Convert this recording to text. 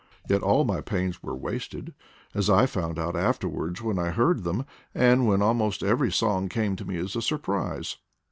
Yet all my pains were wasted, as I found out after wards when I heard them, and when almost every song came to me as a surprise.